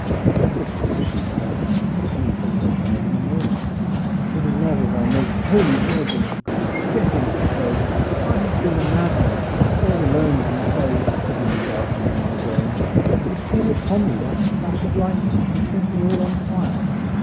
Rapidly as she swam, he was at her side in a moment. "For the love of our most Holy Virgin" he cried, "get into the boat! I have been a madman! God alone can tell what so suddenly darkened my brain. It came upon me like a flash of lightning, and set me all on fire.